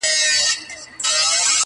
• مطلب پوره سو د يارۍ خبره ورانه سوله,